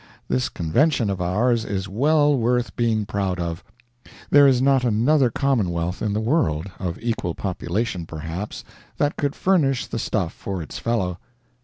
This Convention of ours is well worth being proud of. There is not another commonwealth in the world, of equal population, perhaps, that could furnish the stuff for its fellow.